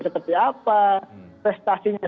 seperti apa prestasinya